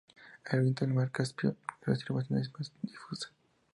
Al oriente del mar Caspio, su distribución es más difusa.